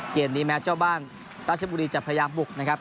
เกมนี้แม้เจ้าบ้านราชบุรีจะพยายามบุกนะครับ